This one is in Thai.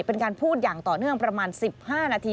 เป็นการพูดอย่างต่อเนื่องประมาณ๑๕นาที